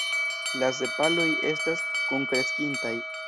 La sepaloj estas kunkreskintaj.